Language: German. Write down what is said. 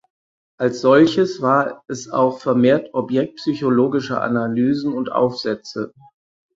Als solches war es auch vermehrt Objekt psychologischer Analysen und Aufsätze.